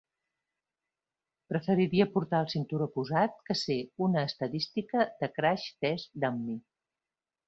Preferiria portar el cinturó posat que ser una estadística de "crash test dummy".